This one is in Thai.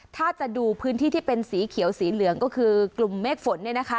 ถ้าจะดูพื้นที่ที่เป็นสีเขียวสีเหลืองก็คือกลุ่มเมฆฝน